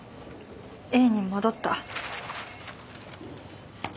Ａに戻った。